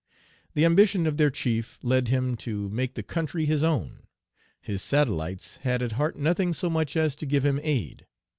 The ambition of their chief led him to make the country his own. His satellites had at heart nothing so much as to give him aid.